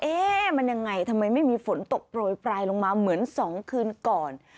เอ๊ะมันยังไงทำไมไม่มีฝนตกโปรยปลายลงมาเหมือน๒คืนก่อน